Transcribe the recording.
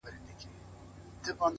دا عيسی ابن مريم درپسې ژاړي;